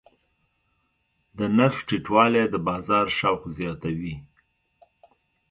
د نرخ ټیټوالی د بازار شوق زیاتوي.